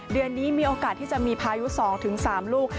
เดือนนี้มีโอกาสที่จะมีพายุ๒๓ลูก